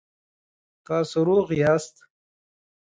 تاسو روغ یاست؟